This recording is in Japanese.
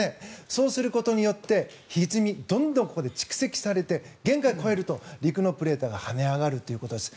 そうすることによって、ひずみどんどんここで蓄積されて限界を超えると陸のプレートが跳ね上がるということです。